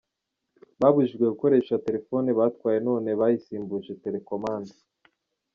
Babujijwe gukoresha telefoni batwaye none bayisimbuje telekomande